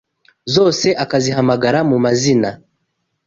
zose akazihamagara mu mazina?